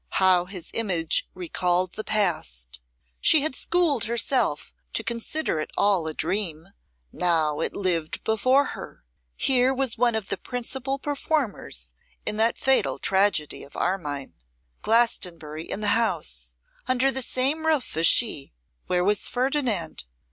How his image recalled the past! She had schooled herself to consider it all a dream; now it lived before her. Here was one of the principal performers in that fatal tragedy of Armine. Glastonbury in the house, under the same roof as she? Where was Ferdinand?